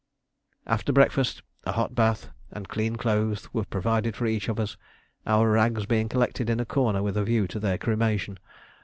After breakfast a hot bath and clean clothes were provided for each of us, our rags being collected in a corner with a view to their cremation.